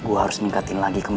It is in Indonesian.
gue berani ngadepin semua